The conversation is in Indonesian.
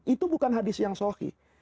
itu bukan hadis yang sohih